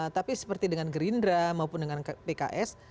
tapi seperti dengan gerindra maupun dengan pks